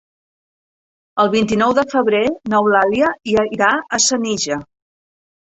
El vint-i-nou de febrer n'Eulàlia irà a Senija.